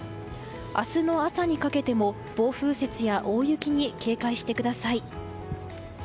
明日の朝にかけても暴風雪や大雪に警戒してください。